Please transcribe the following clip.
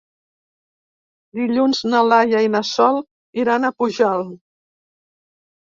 Dilluns na Laia i na Sol iran a Pujalt.